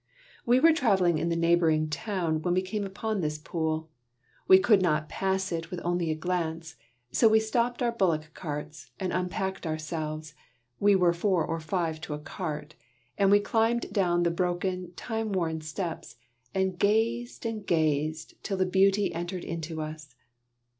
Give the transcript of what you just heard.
We were travelling to the neighbouring town when we came upon this pool. We could not pass it with only a glance, so we stopped our bullock carts and unpacked ourselves we were four or five to a cart and we climbed down the broken, time worn steps and gazed and gazed till the beauty entered into us.